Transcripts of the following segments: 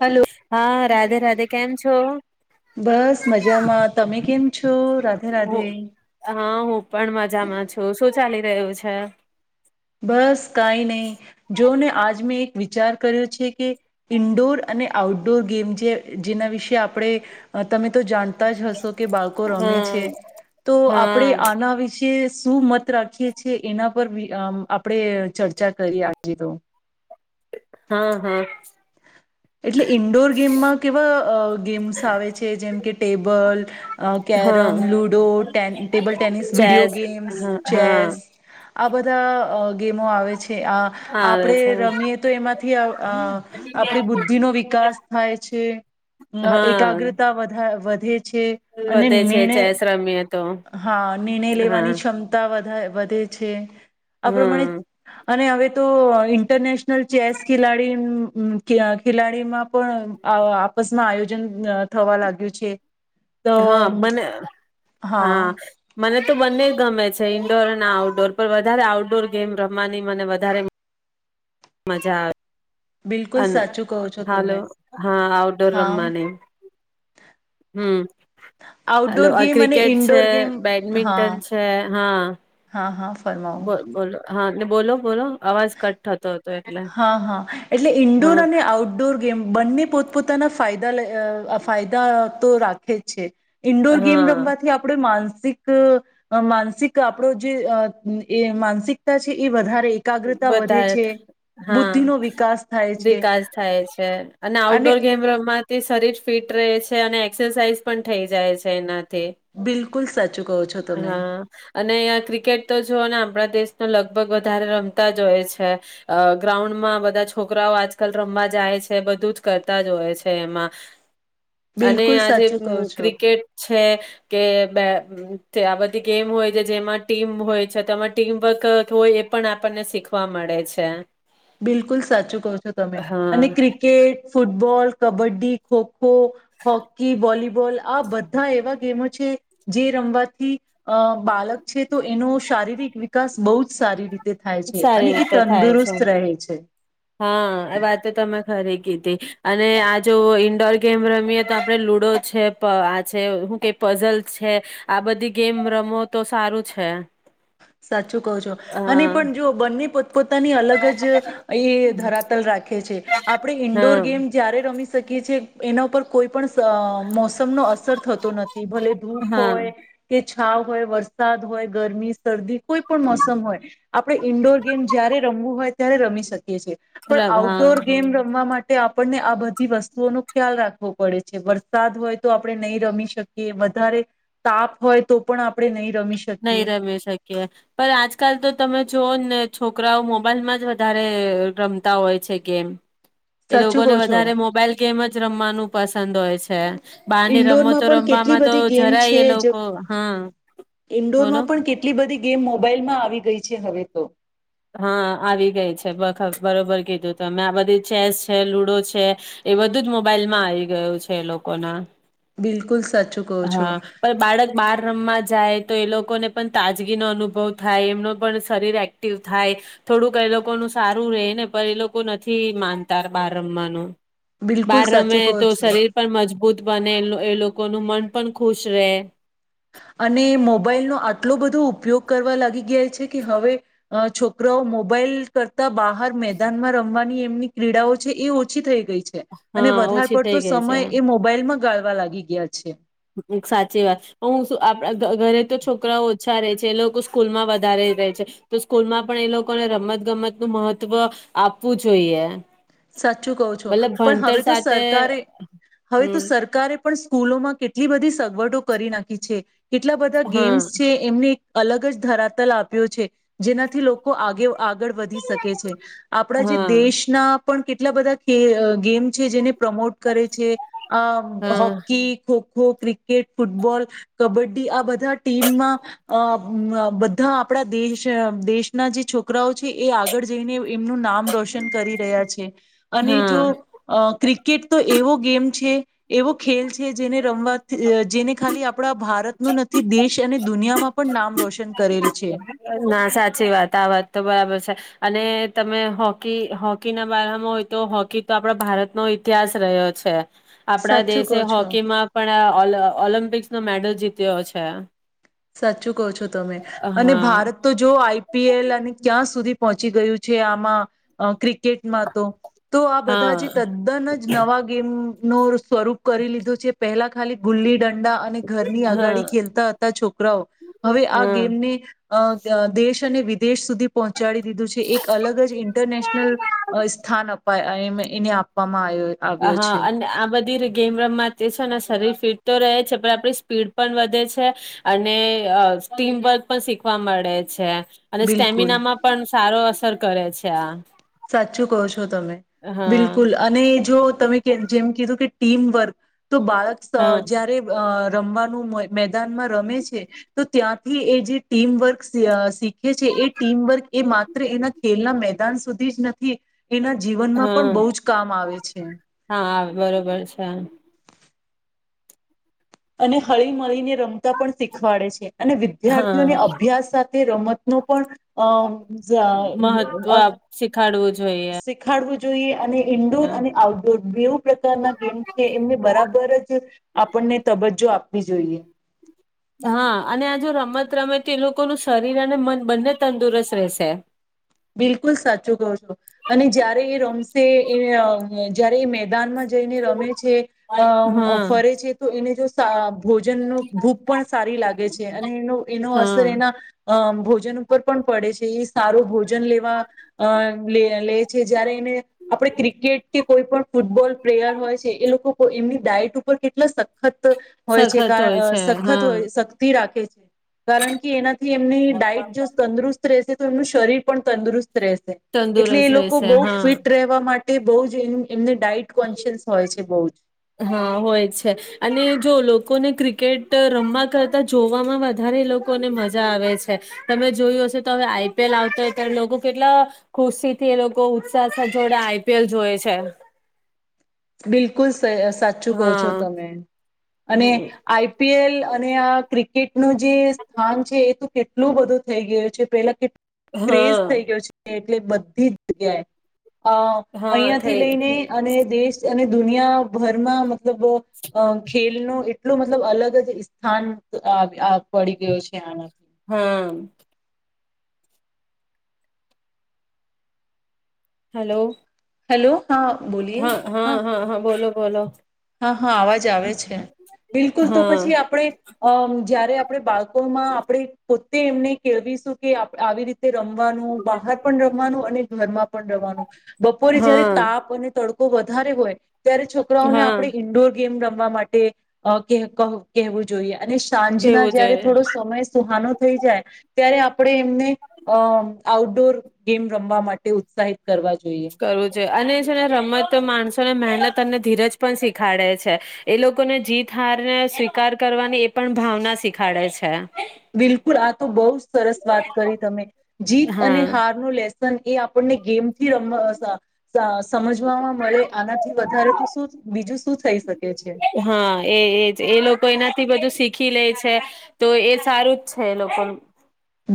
Hello, હા રાધે રાધે કેમ છો? બસ મજામાં તમે કેમ છો? રાધે હું રાધે. હા હું પણ મજામાં છું. શું ચાલે. તેવું છે. બસ કાંઈ નહીં જોને આજ મેં એક વિચાર કર્યો છે, કે ઇન્ડોર અને આઉટ. ડો ગેમ જેમ, જેના વિશે આપણે, તમે તો જાણ હશો કે, બાળકો રમે હા છે. તો આપણે હા આના વિશે શું મત રાખીએ છે. એના પર વિ અમ આપણેે ચર્ચા કરી, આજી તો હા હા એટલે ઈન્ડોર ગેમમાં કેવા અ ગેમ્સ આવે છે જેમ કે, ટેબલ અ કેરમ, હા લુડો ટે table tennis, video chess games, હા હા ચેસ. આ બધા અ ગેમો આવે છે. અ આવે છે આપણે રમીએ તો એમાં થી આ આપણી બુદ્ધિનો વિકાસ થાય છે હા એકાગ્રતા વધ વધે છે અને વધે છે નિર્ણય ચેસ રમીએ તો હા નિર્ણય હા લેવાની ક્ષમતા વધે વધે છે આ હા પ્રમાણે અને હવે તો ઈન્ટરનેશનલ ચેસ ખેલાડી ખેલાડીમાં પણ આપસમાં આયોજન થવા લાગ્યું છે તો હા મને હા મને તો બંને ગમે છે ઈન્ડોર અને આઉટડોર પણ વધારે આઉટડોર ગેમ રમવાની મને વધારે મજા આવે બિલકુલ અને સાચું કહો છો હાલો તમે હા આઉટડોર હા રમવાની હમ્મ હલો આઉટડોર આ ગેમ અને ક્રિકેટ છે ઇન્ડોર ગેમ હા બેડમિન્ટન છે હા હા હા ફરમાવો બો બોલો હા ને બોલો બોલો આવાજ કટ થતો હતો એટલે હા હા એટલે ઇન્ડોર હા અને આઉટડોર ગેમ બંને પોતપોતાના ફાયદા લે. અ ફાયદા તો રાખે જ છે ઇન્ડોર ગેમ હા રમવાથી આપણે માન માનસિક અ માનસિક આપડો જે અ એ માનસિકતા છે એ વધારે એકાગ્રતા વધે બધા છે હા બુદ્ધિનો વિકાસ થાય છે વિકાસ થાય છે અને આઉટડોર ગેમ રમાંથી શરીર ફિટ ટ્રે છે અને એક્રસાઝ પણ થઈ જાય છે એના બિલકુલ સાચું કહો છો તમે હા અને ક્રિકેટ તો જોઓ ને આપણા દેશ લગભગ વધારે રમ તા જોઈ છે ગ્રાઉન્ડમાં બધા છોકરાઓ આજકાલ રમવા જાય છે બધું જ કરતા જોય છે એમાં અને બિલકુલ આજે સાચું કહો છો ક્રિકેટ છે કે બે આ બધી ગેમ હોય છે જેમાં ટીમ હોય છે તોમાં ટીમ વર્ક હોય એ પણ આપ આપણને શીખવા મળે છે બિલકુલ સાચું કહ છો તમે અને હા ક્રિકેટ ફૂટબોલ કબડ્ડી હો હોકી વોલીબોલ આ બધા એવા એમ છે જે રમવાથી અ બાળક છે તો એનો શારીરિક વિકાસ બહુ જ સારી રીતે થાય છે અને સારી એ રીતે થાય છે તંદુરસ્ત થાયે છે હા એ વાત તો તમે ખરી કીધી અને આ જો ઈન્ડોર ગેમ રમીએ તો આપણેે લુડો છે પ આ છે હું ક પઝલ છે આ બધી ગેમ રમો તો સારું છે સાચું કહો છો અને હા પણ જો બંને પોતે પોતાની અલગ જ એ ધરાતલ રાખે છે આપણે ઈન્ડોર હા ગેમ જય્યારે રમી શકીએ છેએ એના ઉપર કોઈ પણ સ અ મોસમ અસર થતો નથી ભલે ધૂપ હા હોય કે છાવ હોય વરસાદ હોય ગરમી શરદી કોઈ પણ મોસમ હોય આપડે ઈન્ડોર ગેમ જયારે રમવું હોય ત્યારે રમી શકેએ પણ બરાબર હા આઉટડોર ગેમ રમવા માટે આપણને આ બધી વસ્તુઓ નો ખ્યાલ રાખવો પડે છે વરસાદ હોય તો આપણે નહી રમી શકીએ વધારે તાપ હોય તો પણ આપણે નહી રમી નહી શકીએ રમી આજકાલ તો તમે જોઓ ને છોકરાઓ મોબાઈલમાં જ વધારે રમતા હોય છે ગેમ એ સાચું લોકોને કહો છો વધારે મોબાઈલ ગેમ જ રમવાનું પસંદ હોય છે છે બહાર ને રમો ઈન્ડોરમાં તો પણ કેટલી રમમાં તો બધી ગેમ જરાય એ લોકો હા બોલો ઇડોરમાં પણ કેટલી બધી ગેમ મોબાઈલમાં આવી ગઈ છે છે હવે તો હા આવી ગઈ છે બખ બરોબર કીધું તમે આ બધી ચેસ છે લુડો છે એ બધું જ મોબાઈલમાં આવી ગયું છે એ લોકોના બિલકુલ સાચું કહો છો હા પણ બાળક બાર રમવા જાય. તો એ લોકોને પણ તાજગી નો અનુભવ થાય એમનો પણ શરીર એક્ટ થાય થોડુંક એ લોકોનું સારું રહે ને પણ એ લોકો નથી માનતા બાર રમવાનું. બિલકુલ બહાર રમે સાચું કહો તો છો શરીર પણ મજબૂત ત બને એ લોકો ન મન પણ ખુશ રહે. અને મોબાઈલનોો આટલો બધો ઉપયોગ કરવા લાગી ગયા છે કે હવે છોકરાઓ મોબાઈલ કરતા બહાર મેદાનમાં રમવાની એમની ક્રીડાઓ છે એ ઓછી થઈ છે અને હા વધારે ઓછી થઈ પડતો ગઈ સમય છે એ મોબાઈલમાં ગાળવા લાગી ગયા છે. એક સાચી વાત હું આપણા ઘરે તો છોકરાઓ ઓછા રહે છે એ લોકો સ્કૂલમાં વધારે રહે છે તો સ્કૂલમાં પણ એ લોકોને રમત ગમત નું મહત્વ આપવું જોઈએ. સાચું કહું છો મતલબ પણ ભણતર હવે તો સાથે સરકારે હવે તો હમ સરકારે પણ સ્કૂલોમાં કેટલી બધી સગવડો કરી નાખી છે. કેટલા બધા હા ગેમ્સ છે એમને. અલગ જ ધરાતલ આપ્યો છે જેના થી લોકો આગ આગળ વધી શકે છે આપણા જે હા દેશના પણ કેટલા બધા ગેમ છે જેને પ્રમોટ કરે છે અ હા hockey kho kho kho cricket football kabaddi આ બધા ટીમમાં અ બધા આપણા દેશ દેશના જે છોકરાઓ છે એ આગળ જઈને એમનું નામ રોશન કરી રહ્યા છે. હ અને જો હા અ ક્રિકેટ તો એવો ગેમ છે એવો ખેલ છે જેને રમવાથી જેને ખાલી આપણા ભારતનું નથી દેશ અને દુનિયામાં પણ નામ રોશન કરેલ છે. ના સાચી વાત આ વાત તો બરાબર છે. અને તમે હોકી હોકી ના બારામાં હોય તો હોકી તો આપણા ભારતનો ઇતિહાસ રહ્યો છે. આપણા સાચું દેશે કહો છો. હોકી માં પણ ઓ ઓલમ્પિક્સ નો મેડલ જીત્યો છે. સાચું કહો છો. તમે અને હા ભારત તો જો આઈપીએલ અને ક્યાં સુધી પહોંચી ગયું છે આમાં ક્ર ટમાં તો તો આ બધા જે હા તદ્દન જ નવા ગેમ નો સ્વરૂપ કરી લીધું છે પહેલા ખાલી ગુલ્લી દંડ અને ઘરની હા અગાડી ખેલતા હતા છોકરા. હવે આ હા ગેમને અ દેશ અને વિદેશ સુધી પહોચ પહંચાડી દીધું છે એક અલગ જ ઇન્ટરનેશનલ અ સ્થાન અપાય. અ એને એને આપવા અ હા અને આ બધી રી ગેમ રમવા તે છે ને શરીર ફિટ તો રહે છે પણ આપડી સ્પીડ પણ વધે છે અને અ ટીમવર્ક પણ શીખવા મળે છે. અને બિલકુલ સ્ટેમિના માં પણ સારો અસર કરે છે આ. સાચું કહો છો તમે હા બિલકુલ અને જો તમે કેમ જેમ કીધું કે ટીમ વર્ક તો બાળક સ અ હા જયારે અ રમવાનું મેઈન મેન તાનમાં રમે છે તો ત્યાંથી એ જે ટીમવર્ક શીખે છે એ ટીમવર્ક એ માત્ર એના ખેલના મેદાન સુધી થી જ નથી. એના જીવનમાં પણ બહુ હા જ કામ આવે છે. હા બરોબર છે. અને હળી મળીને રમતા પણ શીખવાડે છે અને વિદ્યાર્થીઓને હા અભ્યાસ સા તે રમત ને પણ અ મહત્વ જ્યારે અ આપ શીખાડવું જોઈએ શીખાડવું જોઈએ. અને ઇન્ડોર અને આઉટડોર બેવું પ્રકારના ગેમ છે એમને બરાબર જ આપણને તબજ્જો આપવી જોઈએ. હા અને આ જો રમત રમે એ લોકોનું શરીર અને મન બંને તંદુરસ્ત રહેશે. બિલકુલ સાચું કઉ છો અને જયારે એ રમશે એ અ જયારે એ મેદાનમાં જઈને રમે છે, અ હા ફરે છે તો એને જો સા ભોજનનો ભૂખ પણ સારી લાગે છે અને એનો એનો અસર હા એના અમ ભોજન ઉપર પણ પડે છે એ સારો ભોજ જન લેવા અ લે લે છે જ્યારે ને આપડે ક્રિકેટથી કોઈ પણ ફૂટબોલ પ્રેયર હોય છે એ લોકો તો એમની ડાયટ ઉપર કેટલા સખત તો હોય છે સખત કા હોય કારણ છે સખત હા હોય સક્તિ રાખે છે. કારણ કે એનાથી એમની ડાઈટ જો તંદરુસ્ત રહેશે તો એમનું શરીર પણ તંદુસ્ત રહેશે એટલે તંદુરસ્ત એ લોકો રહેશે બહ હા ફિટ રહેવા માટે એ બહુ જ એ એમને ડાયટ કોન્શિયસ હોય છે. બઉજ હા હોય છે અને જો લોકોને ક્રિકેટ રમવા કરતા જોવામાં વધારે એ લોકોને મજા આવે છે, તમે જોય હશે તો હવે આઈ પી એલ આવતો હોયત્યારે લોકો કેટલા ખુશીથી એ લોકો ઉત્સાહ સાથે જોડે આઈ પી એલ જોય છે. બિલકુલ ત સાચું કહો છો, હા તમે અને હમ આઈ પી એલ અને આ ક્રિકેટ નું જે સ્થાન છે, એ તો કેટલું બધું થઈ ગયું છે પેલા કેટ ક્રેઝ થઈ હા ગયો છે... એટલે બધી જ જગ્યાએ અ હા અહંથી થઈ લઈને અને દેશ અને દુનિયાભરમાં મતલબ અ ખેલ ન એટલું મતલબ અલગ જ સ્થાન અ અ પડી ગયો છે. આના હા. Hello hello. હા બોલીએ હા હા હા હા બોલો. બોલો. હા હા આવાજ જાવે છે બિલકુલ તો પછી હા આપણે અ જયારે આપણે બાળકોમાં આપણે પોતે એમને કેળવીશું કે અપ આવી રીતે રમવાનું બહાર પણ ર [unintelligible] અને ઘરમાં પણ રવાનું. બપોરે જયારે હા તાપ અને તડકો વધારે હોય ત્યારે છોકરાઓને હા આપ ડોર ગેમ રમવા માટે અ કે કહ કહેવું જોઈએ અને સાંજ ના કેવું જયારે જોઈએ થોડો સમય સુહાનો થઈ જાય ત્યારે આપણે એમને અ આઉટડોર ગેમ રમવા માટે ઉત્સાહિત કરવા જોઈએ. કરવું અને જેને રમત માણસોને મહેનત અને ધીરજ પણ શીખાડે છે, એ લોકોને જીત હાર ને સ્વીકાર કરવાની એ પણ ભાવના શીખાડે છે. બિલકુલ આ તો બહુ સરસ વાત કરી તમે જીત અને હા હાર ન લે વન એ આપણને ગેમ [unintelligible] રમ સા સ સમ. ે આનાથી વધારે શુ બીજું શું થઈ શકે છે. હા એ એજ એ લોકો એનાથી બધું શીખી લે છે તો એ સારું જ છે એ લોકોનું.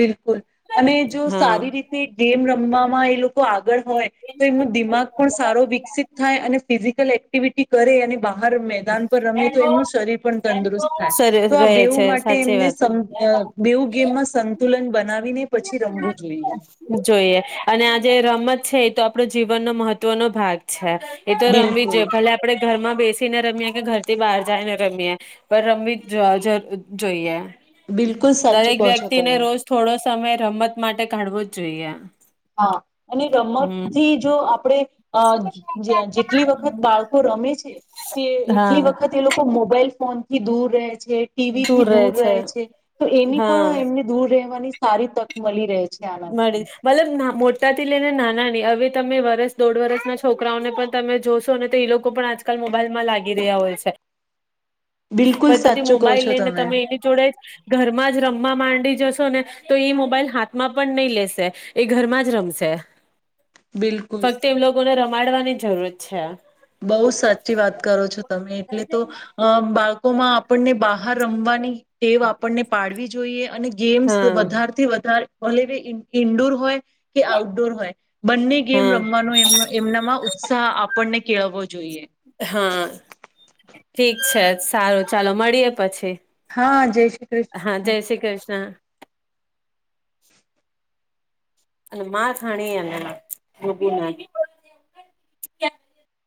બિલકુલ અને જો સારી રીતે ગેમ રમવામાં લોકો... હોય તો એમનો દિમાગ પણ સારો વિકસિત થાય અને ફિઝિકલ એક્ટિવિટી કરે અને બહાર મેદાન પર રમે તો એમનું શરીર પણ તંદુરસ્ત થાય સરસ તો આ રહે બેવ છે માટે સાચી એમને વાત સમબેવું ગેમમાં... આવીને પછી રમવું જોઈએ. જોઈએ અને આજે રમત છે એ તો આપણો જીવનનો મહત્વનો ભાગ છે. એ તો રમી બિલકુલ જ ભલે આપડે ઘરમાં બેસીને રમી કે ઘર... તે બહાર જાય ને રમીએ પણ રમવી જોઈ જોઈએ. બિલકુલ સાચું દરેક કહો છો વ્યક્તિ ને તમે રોજ થોડો... ગમત માટે કાઢવો જ જોઈએ. હા અને રમત હમ થી જો આપડે.... અ જે જેટલી વખત બાળકો રમે છે. તે હા એટલી વખત એ લોકો મોબાઈલ. ફોન થી દૂર રહે ટીવી થી દૂર રહે છે તો એની હા પણ એમને દૂર રહેવાની... સારી તક મળી રહે છે મળી આનાથી મતલબ ના મોટી. સતાથી લઈને નાનાની હવે તમે વરસ દોઢ વરસના છોકરાઓને પણ તમે જોશો અને તો એ લોકો પણ આજકાલ મોબાઈલમાં લાગી રહ્યા હોય છે. પ બિલકુલ તથી સાચું કહો મોબાઈલ છો લઈને તમે એની જોડે ઘરમાં જ રમવા માંડી જશો ને તો એ મોબાઈલ હાથમાં પણ નહી લેશે એ ઘરમાં જ રમશે. બિલકુલ ફક્ત એમ લોકોને રમ માડવાની જરૂર છે. બઉ સાચી વાત કરો છો. તમે એટલે તો અ બાળકોમાં આપણને બહાર રમવાની તેવ આપણને પાડવી જોઈએ... અને ગેમ્સ હા વધાર થી વધારે ભલે ને ઈન્ડો ઇન્ડોર હોય. કે આઉટડોર હોય, બંને ગેમ હા રમવાનો એમનામાં ઉત્સાહ આપણને કેળવવો જોઈએ. હા ઠીક છે, સારું ચાલો મળીએે પછી. હા, જય શ્રી હા કૃષ્ણ. જય શ્રી કૃષ્ણ અને માખાણી આ મોબીના